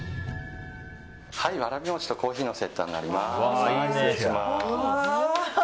わらび餅とコーヒーのセットになります。